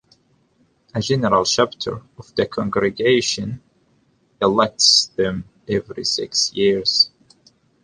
A General Chapter of the congregation elects them every six years.